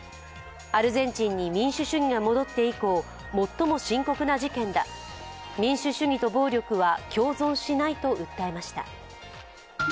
アルゼンチンに民主主義が戻って以降、最も深刻な事件だ、民主主義と暴力は共存しないと訴えました。